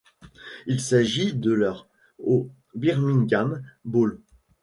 Il s'agit de leur au Birmingham Bowl.